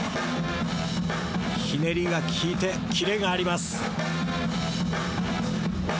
ひねりが利いてキレがあります。